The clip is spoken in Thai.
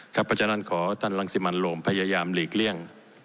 เพราะฉะนั้นขอท่านรังสิมันโรมพยายามหลีกเลี่ยง